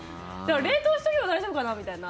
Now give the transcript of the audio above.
冷凍しとけば大丈夫かなみたいな。